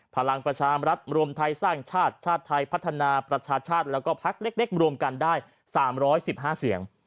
พลังประชามรัฐรวมไทยสร้างชาติชาติไทยพัฒนาประชาชาติแล้วก็พักเล็กรวมกันได้๓๑๕เสียง